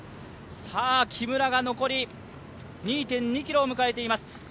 木村が残り２．２ｋｍを迎えています。